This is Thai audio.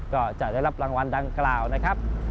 ก็จะได้รับรางวัลดังกล่าวนะครับ